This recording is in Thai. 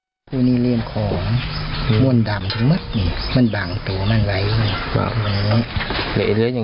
แหละเลยยังเห็นแต่ไกลเห็นแล้วสิอันนี้หน่า